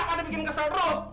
pada bikin kesal terus